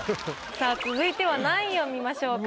さあ続いては何位を見ましょうか？